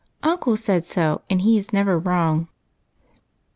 Uncle said so, and he is never wrong."